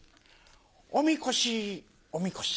おみこしおみこし。